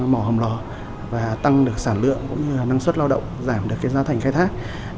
mỏ hầm lò và tăng được sản lượng cũng như là năng suất lao động giảm được giá thành khai thác